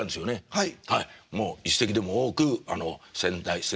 はい。